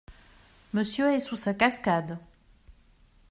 Monsieur est sous sa cascade.